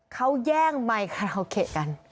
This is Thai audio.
เขาแย่งไมค์คาราโอเกะกัน